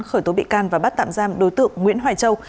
khởi tố bị can và bắt tạm giam đối tượng nguyễn hoài châu